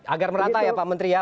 agar merata ya pak menteri ya